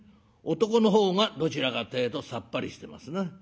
男の方がどちらかってえとさっぱりしてますな。